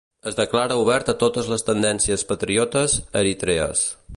Es declara obert a totes les tendències patriotes eritrees.